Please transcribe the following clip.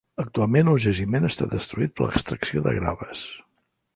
Actualment el jaciment està destruït per l’extracció de graves.